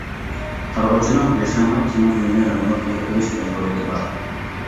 قارىغۇچىنىڭ ياشانغان كىشىنىڭ ئۆيىنى رېمونت قىلىپ بېرىش مەجبۇرىيىتى بار.